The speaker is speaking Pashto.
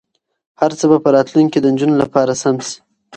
هر څه به په راتلونکي کې د نجونو لپاره سم شي.